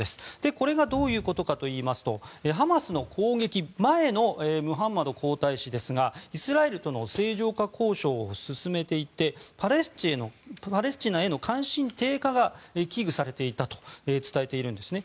これがどういうことかといいますとハマスの攻撃前のムハンマド皇太子ですがイスラエルとの正常化交渉を進めていてパレスチナへの関心低下が危惧されていたと伝えているんですね。